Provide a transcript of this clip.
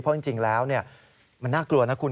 เพราะจริงแล้วมันน่ากลัวนะคุณ